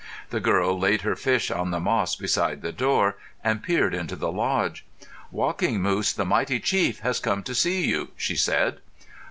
The girl laid her fish on the moss beside the door, and peered into the lodge. "Walking Moose, the mighty chief, has come to see you," she said.